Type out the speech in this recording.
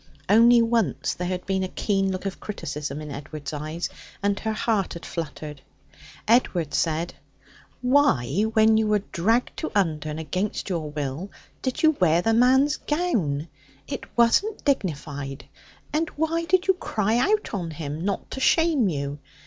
Only once there had been a keen look of criticism in Edward's eyes, and her heart had fluttered. Edward said: 'Why, when you were dragged to Undern against your will, did you wear the man's gown? It wasn't dignified. And why did you cry out on him not to shame you?